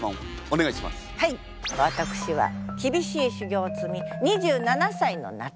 私はきびしい修行をつみ２７歳の夏